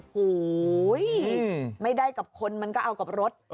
โหยไม่ได้กับคนมันก็เอากับรถ